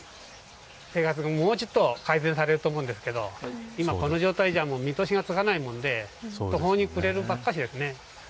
生活も、もうちょっと改善されると思うんですけれど今この状態じゃ見通しがつかないもんで途方にくれるばっかりです。